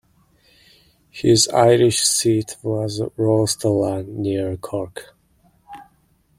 His Irish seat was Rostellan, near Cork.